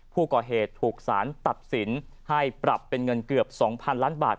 ผู้ก่อเหตุถูกสารตัดสินให้ปรับเป็นเงินเกือบ๒๐๐๐ล้านบาท